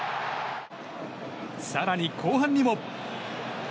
更に後半にも。